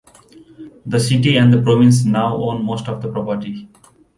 The city and the province now own most of the property.